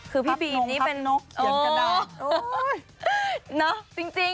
คือพี่บีมนี่เป็นพับนมพับนกเขียนกระดาษโอ๊ย